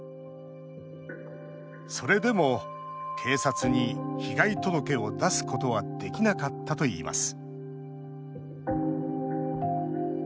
それでも警察に被害届を出すことはできなかったといいます